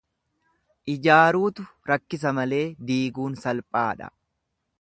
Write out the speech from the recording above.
Ijaaruutu rakkisa malee diiguun salphaadha.